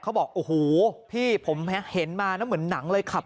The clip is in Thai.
เขาบอกโอ้โหพี่ผมเห็นมานะเหมือนหนังเลยขับ